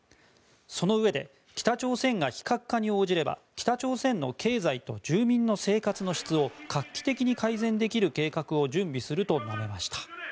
そのうえで北朝鮮が非核化に応じれば北朝鮮の経済と住民の生活の質を画期的に改善できる計画を準備すると述べました。